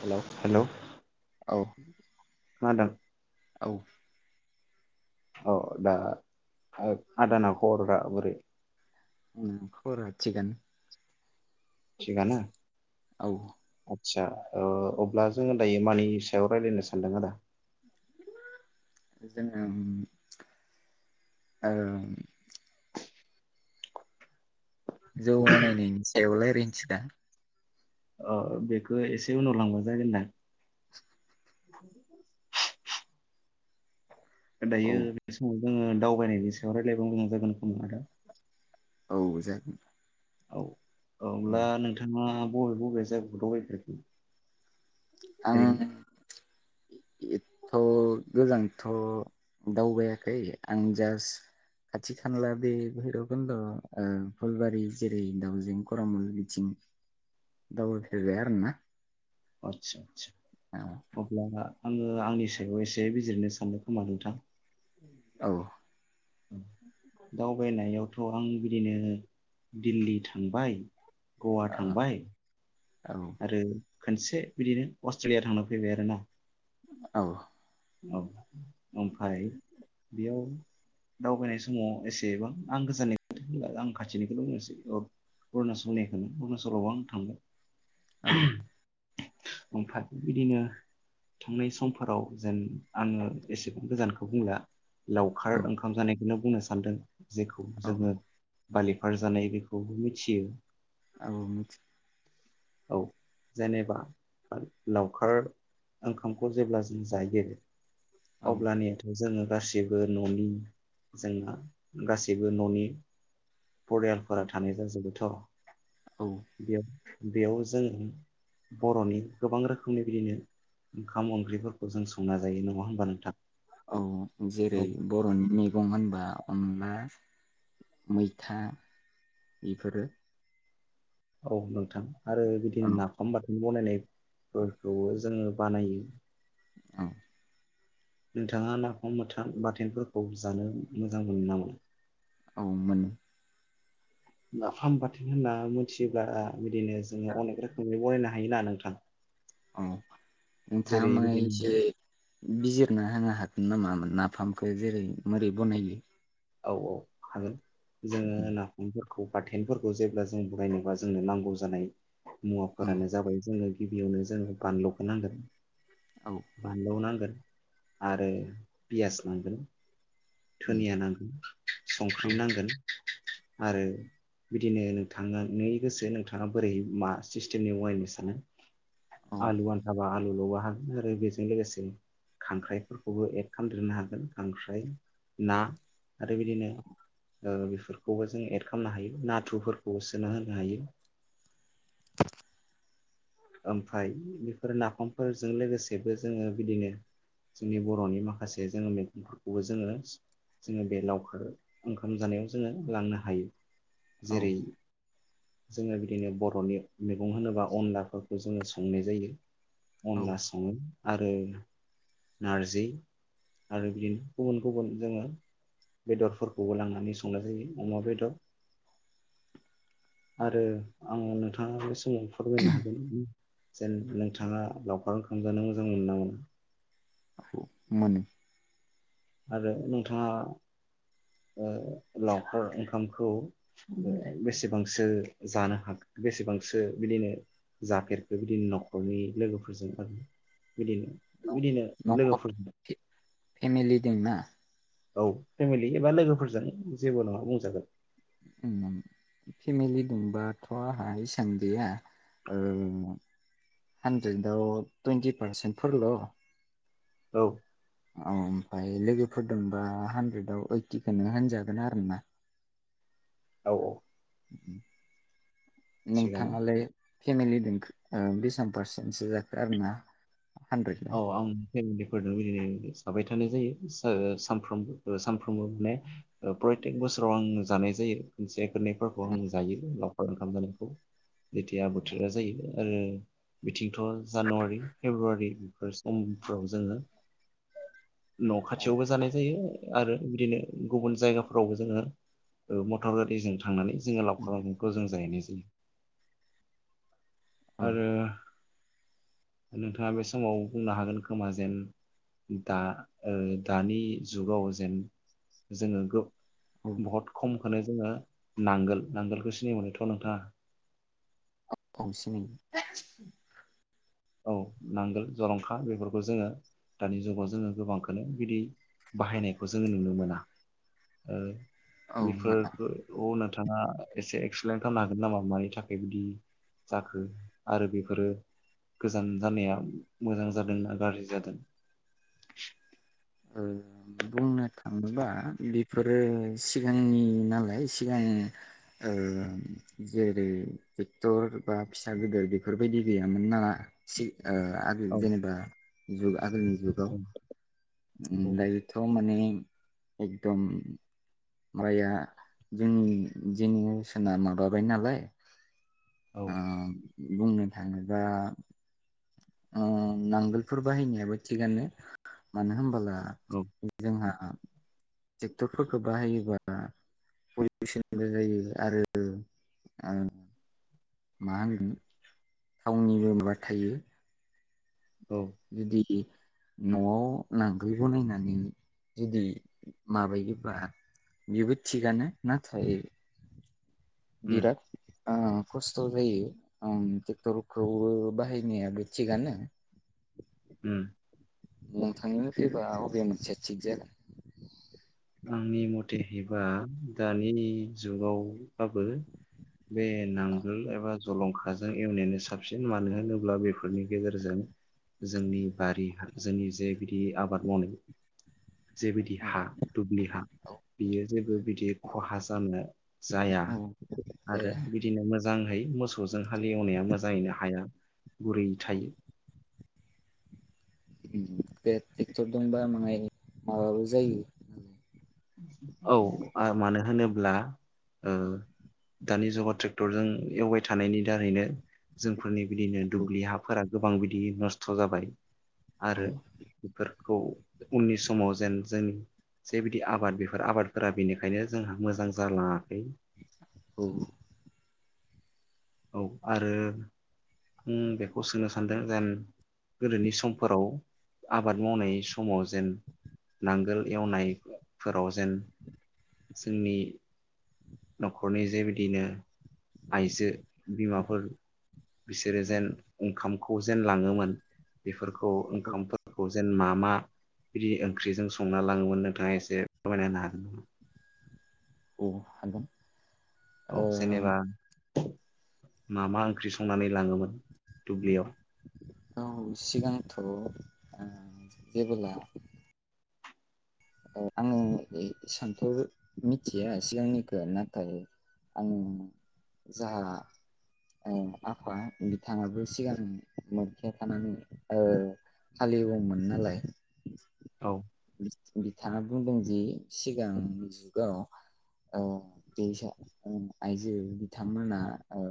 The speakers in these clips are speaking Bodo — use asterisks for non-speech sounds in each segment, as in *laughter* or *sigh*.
हेलौ औ खोनादों औ औ दा आद दाना खबफोरा बोरै? उम खबरा थिगानो थिगानो *inaudible* औ आदसा ओ अब्ला जोङो दायो मानि सायाव रायलायनो सानदों आदा? जोङो उम ओ जौ बानायनायनि एव रायलायनिसै ना अ बेखौ एसे उनाव लांबा जागोना *inaudible* औ दायो *unintelligible* जोङो दावबायनायनि सायाव रायलायबा मोजां जागोन खोमा आदा औ जागोन औ अब्ला नोंथाङा बबे बबे जागायाव दावबायफेरखो ओरैनो आं एथ गोजानथ दावबायाखै आं जास खाथि खानला बे भैरखन्द ओ फुलबारि जेरै दावजें करामुल बिथिं दावबायफेरबाय आरोना आतसा औ अब्लाना आङो आंनि सायाव एसे बिजिरनो सानदों खोमा नोंथां? औ दावबायनायाव थ आं बिदिनो दिल्ली थांबाय गवा थांबाय औ आरो खोनसे बिदिनो अस्ट्रेलिया थांना फैबाय आरोना औ औ ओमफाय बेयाव दावबायनाय समाव एसेबां आं गोजाननि *unintelligible* आं खाथिनिखौल बुंनोसै ओ उरणासलनिखौनो उरणसलावबो आं थांबाय। *unintelligible* ओमफाय बिदिनो थांनाय समफोराव जेन आङो एसेबां गोजानखो बुंला लावखार औ ओंखाम जानाय नो बुंनो सानदों जेखौ औ जोङो बालिफार जानाय बेखौबो मिथियो आव मिथि औ जेनेबा लावखार ओंखामखौ जेब्ला ज जायो औ अब्लानियाथ जोङो गासैबो ननि जोंना गासैबो ननि परियालफोरा थानाय जाजोबो अ औ बियाव बेयाव जों बरनि गोबां रोखोमनि बिदिनो ओंखाम ओंख्रिफोरखौ जों संना जायो नङा होमबा नोंथां औ जेरै औ बरनि मैगं होनबा अनला मैथा बेफोरो औ नोंथां आरो औ बिदिनो नाफाम बाथ बनायनायफोरखौबो जोङो बानायो औ नोंथाङा नाफाम थाम बाथोनफोरखौ जानो मोजां मोनो नामा औ मोनो नाफाम बाथोन होनना मिथियोब्ला बिदिनो जोङो अनेक रोखोमै बनायना हायोना नोंथां? औ नोंथाङा जेरै माने बिदिनो एसे बिजिरना होनो हागोन नामा? मोन नाफामखौ जेरै मोरै बनायो? औ -औ हागोन। जोंङो नाफामखो बाथेनफोरखौ जेब्ला जों बनायनोबा जोंनो नांगौ जानाय औ मुवाफोरानो जाबाय जोङो गिबियावनो जोङो बानलुखो नांगोन। औ बानलु नांगोन। आरो पियास नांगोन, धुनिया नांगोन, औ संख्रि नांगोन, आरो बिदिनो नोंथाङानि नो गोसो नोंथाङा बोरै मा सिस्टेमनि बनायनो सानो। औ आलु आन्थाबा आलु लबा हागोन आरो बेजों लोगोसे खांख्राइफोरखौबो एड खामदेरनो हागोन खांख्राइ ना आरो बिदिनो ओ बेफोरखौबो जों एड खालामनो हायो नाथुरफोरखौ सोना होनो हायो। ओमफ्राय बेफोर नाफामफोरजों लोगोसेबो जोङो बिदिनो जोंनि बर'नि माखासे जोङो मैगंफोरखौबो जोङो -जोङो बे लावखार ओंखाम जानायाव जोङो लांनो हायो। औ जेरै जोङो बिदिनो बर'नि मैगं होनोबा अनलाफोरखौ जोङो संनाय जायो। औ अनला सङो। आरो नारजि आरो बिदिनो गुबुन-गुबुन जोङो बेदरफोरखौबो लांनानै संनाय जायो अमा बेदर आरो आं नोंथाङा बे *unintelligible* फोरमायनो हागोन। जेन नोंथाङा लावखार ओंखाम जानो मोजां मोनो ना मोना? औ मानो। आरो नोंथाङा लावखार ओ ओंखामखौ बेसेबांसो जानो हाखो बेसेबांसो बिदिनो जाफेरखो? बिदिनो नखरनि लोगोफोरजों आरो बिदिनो बिदिनो नखर लोगोफोरजों फेमिलि दोंना? औ फेमिलि एबा लोगोफोरजों जेबो नङा बुंजागोन। फेमिलि दोंबाथ' आंहा इसां गैया ओ हानद्रेदाव टुइन्टि पारसेन्टफोरल औ औ ओमफ्राय लोगोफोरदोंबा हानद्रेदाव ओइटिखौनो होनजागोन आरो ना। औ -औ *inaudible* थिगानो नोंथाङालाय? फेमिलि दोंखो बेसेबां पारसेन्टसो जाखो आरोना? औ हानद्रेदाव आं फेमिलिफोरदों बिदिनो जाबाय थानाय जायो सो, साफ्राम, सानफ्रोमबो माने प्रयथेक बोसोराव आं जानाय जायो मोनसे औ *unintelligible* ओंखाम जानायखौ जेथिया बोथोरा जायो आरो बिथिंथ' जानुवारि फेब्रुवारि बे समफ्राव जोङो न' खाथियावबो जानाय जायो। आरो बिदिनो गुबुन जायगाफोरावबो जोङो मटर गारिजों थांनानै जोङो लाउखार ओंखामखौ जों जाहैनाय जायो। उ *inaudible* औ आरो नोंथाङा बे समाव बुंनो हागोन खोमा जेन दा ओ दानि जुगाव जेन जोङो औ गोबां बहुत खम होनो जोङो नांगोल नांगोलखौ सिनाय मोनोथ नोंथाङा? औ सिनायो। औ नांगोल जरंखा बेफोरखौ जोङो दानि जुगाव जोङो गोबांखौनो बिदि बाहायनायखौ जोङो नुनो मोना ओ औ मोना बेफोरखौनो होनो नोंथाङा एसे एक्सप्लेन खालामनो हागोन नामा मानि थाखाय बिदि जाखो आरो बेफोरो गोजान जानाया मोजां जादोंना गाज्रि जादों? ओ, बुंनो थाङोबा बेफोरो सिगांनि नालाय सिगां ओ, जेरै ट्रेक्टर बा फिसा गिदिर बेफोरबायदि गैयामोन ना सिगां ओ आरो औ जेनेबा जुगार आगोलनि जुगाव औ ओम, दायोथ' माने एकदम माइया जोंनि जेनेरेसना माबाबाय नालाय औ ओ बुंनो थाङोबा ओं नांगोलफोर बाहायनायाबो थिगानो मानो होनबोला औ *unintelligible* जोंहा ट्रेक्टरफोरखो बाहायोबा *unintelligible* जायो आरो आ मा थावनिबो माबा थायो। औ बिदि न'आव नांगोल बनायनानै जुदि माबायोबा बेबो थिगानो नाथाय उम बिराद आ खस्थ जायो ओम ट्रेक्टरखौबो बाहायनायाबो थिगानो उम नोंथांनि मतेबा अबे मोनसेया थिग जागोन? आंनि मथे हैबा दानि जुगावबाबो बे नांगोल एबा जलंखाजों एवनायानो साबसिन मानो होनोब्ला बेफोरनि गेजेरजों जोंनि बारि जोंनि जे बिदि आबाद मावनाय जेबायदि हा दुब्लि हा बियो जेबो बिदि खहा जानो जाया औ दे आरो बिदिनो मोजांङै मोसौजों हाल एवनाया मोजाङैनो हाया गुरै थायो बे टेक्टरदोंबा माङाइ माबाबो जायो औ ओ मानो होनोब्ला ओ दानि जुगाव ट्रेक्टरजों एवबाय थानायनि दारैनो जोंफोरनि बिदिनो दुब्लि हाफोरा गोबां बिदि नस्थ जाबाय औ आरो बेफोर खौ उननि समाव जेन जोंनि जे बिदि आबाद बेफोर आबादफोरा बेनिखायनो जोंहा मोजां जालाङाखै औ औ आरो ओम बेखौ सोंनो सानदों जेन गोदोनि समफोराव आबाद मावनाय समाव जेन नांगोल एवनायफोराव जेन जोंनि नखरनि जे बिदिनो आइजो बिमाफोर बिसोरो जेन ओंखामखौ जेन लाङोमोन बेफोर खौ औ ओंखामफोरखौ जेन मा मा बिदि ओंख्रिजों संना लाङोमोन नोंथाङा एसे फोरमायना होनो हागोन नामा? औ हागोन औ ओ जेनेबा मा मा ओंख्रि संनानै लांङोमोन? औ सिगांथ ओ जेबोला औ आङो ए सान्थौ मिथिया सिगांनिखौ नाथाय आंङो जाहा ओ आफा बिथांङाबो सिगां मोनथिया थानानै हालेवौमोन नालाय औ बिथाङा बुंदों जि सिगांनि जुगाव ओ *unintelligible* आइजो बिथांमोना ओ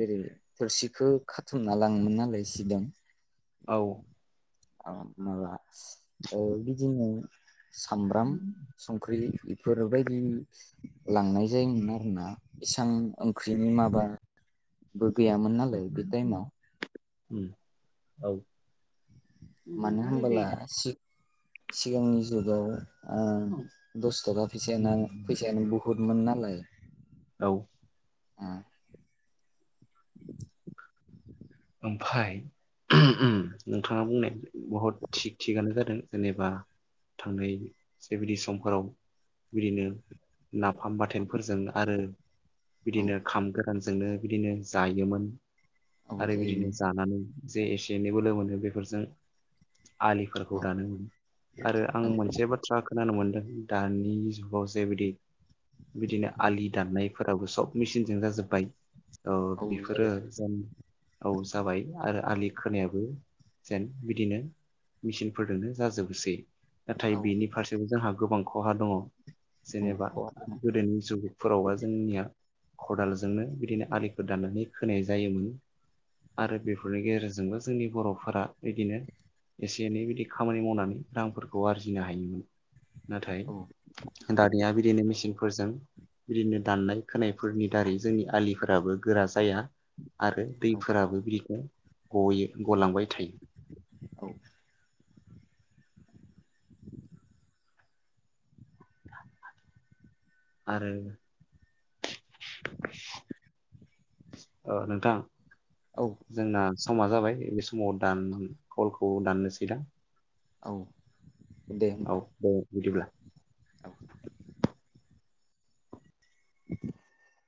जेरै थोरसिखौ खाथुमना लाङोमोन नालाय सिगां औ औ माबा ओ बिदिनो सामब्राम संख्रि इफोरबायदि लांनाय जायोमोन आरोना इसां ओंख्रिनि माबा बो गैयामोन नालाय बे टाइमाव उम औ मानो होनबोला सि सिगांनि जुगाव ओ दस तगा फैसाया फैसायानो बुहुदमोन नालाय औ ओ ओमफाय नोंथाङा बुंनाय बहुद थिग थिगानो जादों जेनेबा थांनाय जेबायदि समफोराव बिदिनो नाफाम बाथोनफोरजों आरो ओ बिदिनो खामगोर गोन जोंनो बिदिनो जायोमोन औ आरो बिदिनो जायोमोन जानानै जे एसे एनै बोलो मोनो बेफोरजों आलिफोरखौ दानो मोनो आरो आं औ मोनसे बाथ्रा खोनानो मोनदों दानि जुगाव जे बिदि बिदिनो आलि दाननायफोराबो सब मेचिनजों जाजोबबाय औ बेफोरो जेन औ जाबाय आरो आलि खोनायाबो जेन बिदिनो मिचिनफोरजोंनो जाजोबोसै नाथाय बेनि फारसेबो जोंहा गोबां खहा दङ जेनेबा औ औ गोदोनि जुगफोरावबा जोंनिया खदालजोंनो बिदिनो आलिफोर दाननानै खोनाय जायोमोन आरो बेफोरनि गेजेरजोंबो जोंनि बर'फोरा बिदिनो एसे एनै बिदि खामानि मावनानै रांफोरखौ आरजिनो हायोमोन नाथाय औ दानिया बिदिनो मेचिन फोरजों बिदिनो दाननाय खोनायफोरनि दारै जोंनि आलिफोराबो गोरा जाया आरो औ दैफोराबो बिदिनो गयो गलांबाय थायो। *inaudible* आरो ओ नोंथां औ जोंना समा जाबाय बे समाव दान कलखौ दाननोसै दां। औ दे होमबा औ दे बिदिब्ला। औ *unintelligible*